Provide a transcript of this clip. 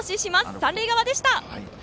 三塁側でした。